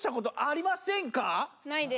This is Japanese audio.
・ないです。